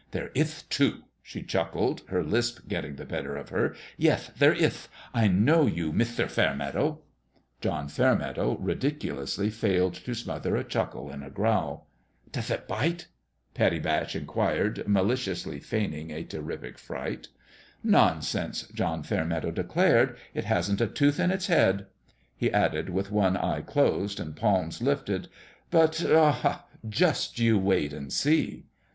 " There ith, too," she chuckled, her lisp getting the better of her. " Yeth, there ith. I know you, Mithter Fairmeadow." John Fairmeadow ridiculously failed to smother a chuckle in a growl. CHRISTMAS EYE at SWAMPS END 109 "Doth it bite?" Pattie Batch inquired, mali ciously feigning a terrific fright. " Nonsense 1 " John Fairmeadow declared ;" it hasn't a tooth in its head." He added, with one eye closed, and palms lifted :" But aha! just you wait and see."